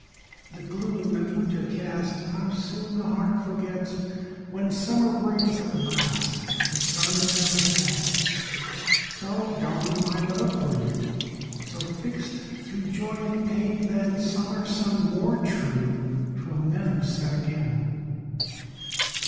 The gloom that winter cast, How soon the heart forgets, When summer brings, at last, Her sun that never sets! So dawned my love for you; So, fixt thro' joy and pain, Than summer sun more true, 'Twill never set again.